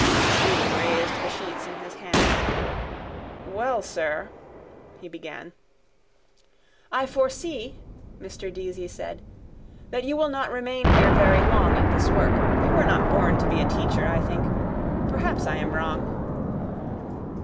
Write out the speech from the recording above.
Stephen raised the sheets in his hand. —Well, sir, he began. —I foresee, Mr Deasy said, that you will not remain here very long at this work. You were not born to be a teacher, I think. Perhaps I am wrong.